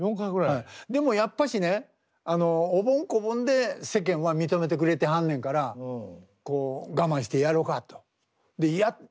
でもやっぱしねあのおぼん・こぼんで世間は認めてくれてはんねんからこう我慢してやろかと。でやってたから。